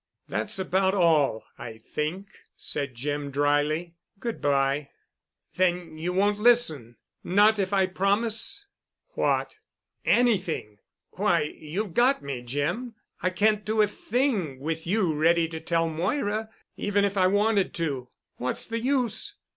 "That's about all, I think," said Jim dryly. "Good bye." "Then you won't listen—not if I promise——" "What——?" "Anything. Why, you've got me, Jim. I can't do a thing with you ready to tell Moira—even if I wanted to. What's the use?